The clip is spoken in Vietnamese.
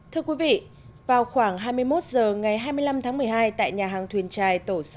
thưa quý vị vào khoảng hai mươi một h ngày hai mươi năm tháng một mươi hai tại nhà hàng thuyền trài tổ sáu